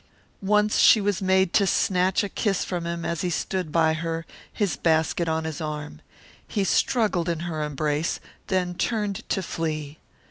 Once she was made to snatch a kiss from him as he stood by her, his basket on his arm. He struggled in her embrace, then turned to flee.